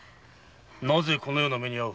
なぜこのような目に遭う？